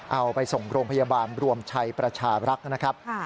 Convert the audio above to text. เอาไปส่งโรงพยาบาลรวมชัยประชารักษ์นะครับ